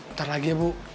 ntar lagi bu